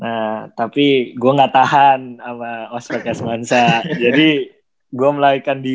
nah tapi gue gak tahan sama ospecnya semansa jadi gue melarikan diri